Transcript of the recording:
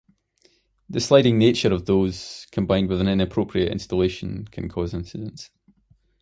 The sliding nature of those, combined with an inappropriate installation can cause incidents.